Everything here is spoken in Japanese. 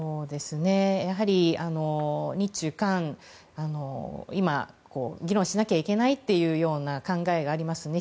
やはり日中韓、今議論しなければいけないような考えがありますね。